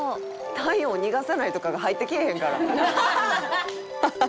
「体温を逃がさないとかが入ってけえへんから」「ハハハハ！」